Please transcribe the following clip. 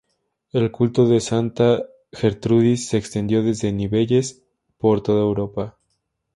El culto de Santa Gertrudis se extendió desde Nivelles por toda Europa.